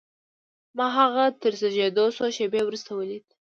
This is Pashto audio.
ما هغه تر زېږېدو څو شېبې وروسته وليد.